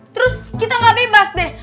terus kita gak bebas deh